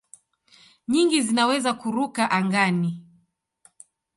Nyingi zinaweza kuruka angani.